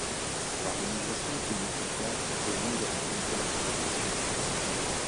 L'organisation qu'il met en place est loin de rencontrer l'approbation du pape.